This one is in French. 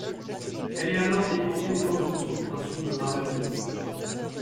Elle est alors déportée au camp de concentration de Ravensbrück.